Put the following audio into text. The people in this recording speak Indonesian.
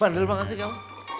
bandel makasih ya pak